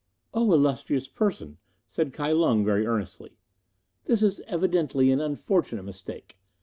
"O illustrious person," said Kai Lung very earnestly, "this is evidently an unfortunate mistake.